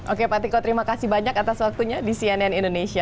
oke pak tiko terima kasih banyak atas waktunya di cnn indonesia